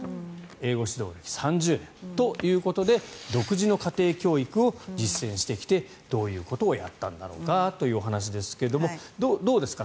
英語指導歴３０年ということで独自の家庭教育を実践してきてどういうことをやったんだろうかというお話ですがどうですか？